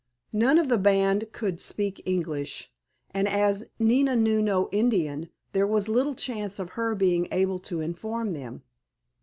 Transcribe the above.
None of the band could speak English, and as Nina knew no Indian there was little chance of her being able to inform them.